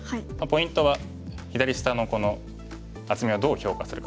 ポイントは左下のこの厚みをどう評価するかですね。